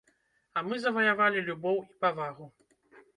А мы заваявалі любоў і павагу.